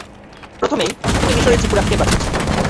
প্রথমেই, তুমি মিশরে যিপোরাহকে বাঁচিয়েছ।